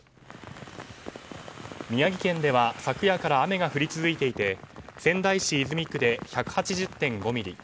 宮城県では昨夜から雨が降り続いていて仙台市泉区で１８０．５ミリ